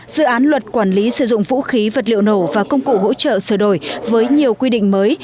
dự án luật quản lý sử dụng vũ khí vật liệu nổ và công cụ hỗ trợ sửa đổi với nhiều quy định mới